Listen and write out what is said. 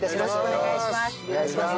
よろしくお願いします。